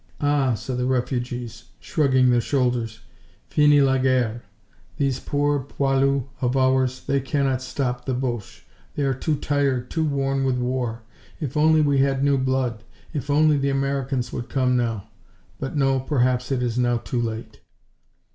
"Ah," said the refugees, shrugging their shoulders, "finis la guerre! These poor Poilus of ours, they cannot stop the Boche. They are too tired, too worn with war. If only we had new blood. If only the Americans would come now. But no, perhaps it is now too late."